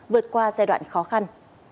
vượt qua giai đoạn khó khăn